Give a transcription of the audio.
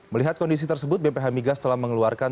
melihat kondisi tersebut bph migas telah mengeluarkan